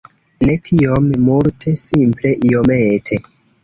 Ne tiom multe, simple iomete